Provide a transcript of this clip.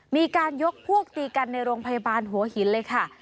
มีการยกพวกตีกันในโรงพยาบาลหัวหินเลยค่ะ